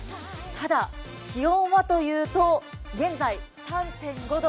ただ、気温はというと現在３．５度。